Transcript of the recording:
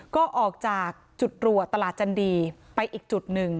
ก็ออกจากจุดรัวตลาดจันดีไปอีกจุดหนึ่ง